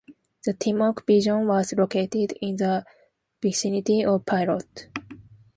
The Timok division was located in the vicinity of Pirot.